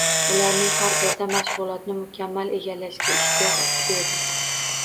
Ularning har birida mashg‘ulotini mukammal egallashga ishtiyoq kuchli edi.